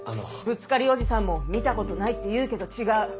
ぶつかりおじさんも見たことないって言うけど違う。